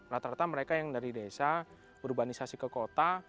rata rata mereka yang dari desa urbanisasi ke kota